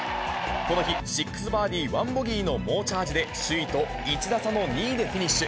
この日、６バーディー１ボギーの猛チャージで首位と１打差の２位でフィニッシュ。